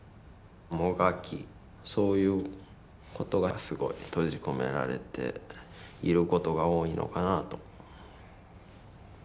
そういうことがすごい閉じ込められていることが多いのかなと。